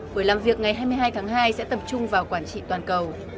buổi làm việc ngày hai mươi hai tháng hai sẽ tập trung vào quản trị toàn cầu